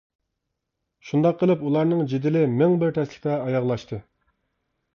شۇنداق قىلىپ ئۇلارنىڭ جېدىلى مىڭ بىر تەسلىكتە ئاياغلاشتى.